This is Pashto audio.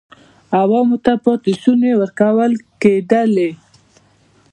عوام ته پاتې شوني ورکول کېدل.